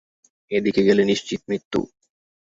এদিকে গেলে নিশ্চিত মৃত্যু!